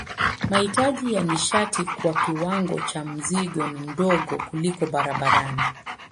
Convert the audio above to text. Mahitaji ya nishati kwa kiwango cha mzigo ni kidogo kuliko barabarani.